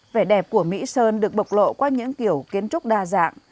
vẻ đẹp của mỹ sơn được bộc lộ qua những kiểu kiến trúc đa dạng